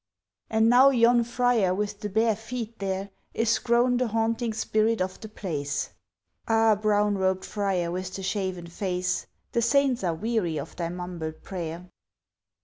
And now yon friar with the bare feet there, Is grown the haunting spirit of the place; Ah! brown robed friar with the shaven face, The saints are weary of thy mumbled prayer.